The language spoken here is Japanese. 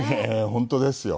本当ですよ。